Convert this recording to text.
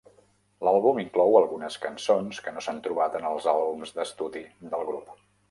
L'àlbum inclou algunes cançons que no s'han trobat en els àlbums d'estudi del grup.